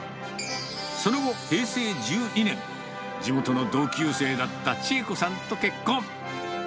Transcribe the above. その後、平成１２年、地元の同級生だった千恵子さんと結婚。